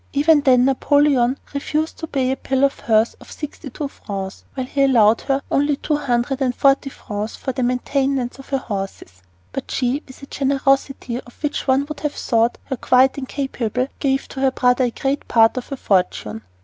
Even then Napoleon refused to pay a bill of hers for sixty two francs, while he allowed her only two hundred and forty francs for the maintenance of her horses. But she, with a generosity of which one would have thought her quite incapable, gave to her brother a great part of her fortune.